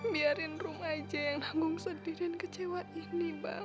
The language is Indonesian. biarkan rum saja yang nabung sedih dan kecewa ini bang